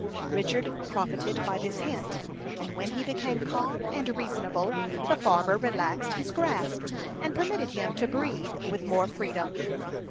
Richard profited by this hint; and when he became calm and reasonable, the farmer relaxed his grasp, and permitted him to breathe with more freedom.